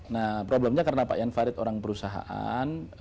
nah problemnya karena pak enfired orang perusahaan